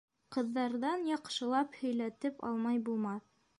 Ҡыҙҙарҙан яҡшылап һөйләтеп алмай булмаҫ.